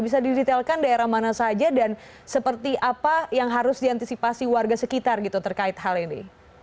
bisa didetailkan daerah mana saja dan seperti apa yang harus diantisipasi warga sekitar gitu terkait hal ini